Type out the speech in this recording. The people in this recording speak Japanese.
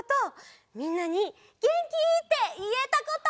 みんなに「げんき？」っていえたこと！